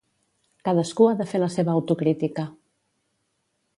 Cadascú ha de fer la seva autocrítica.